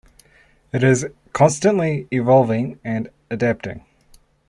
It is constantly evolving and adapting.